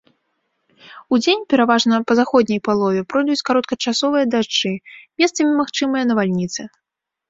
Удзень, пераважна па заходняй палове, пройдуць кароткачасовыя дажджы, месцамі магчымыя навальніцы.